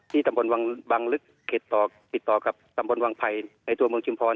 ที่ตำบลบังลึกผิดต่อกับตำบลวงภัยในตัวเมืองชิมพร